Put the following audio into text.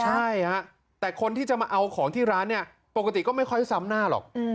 ใช่ฮะแต่คนที่จะมาเอาของที่ร้านเนี่ยปกติก็ไม่ค่อยซ้ำหน้าหรอก